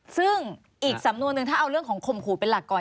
ซึ่งอีกสำนวนนึงถ้าเอาเรื่องของข่มขู่เป็นหลักก่อน